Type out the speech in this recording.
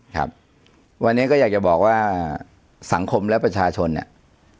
ครับวันนี้ก็อยากจะบอกว่าสังคมและประชาชนเนี่ย